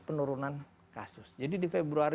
penurunan kasus jadi di februari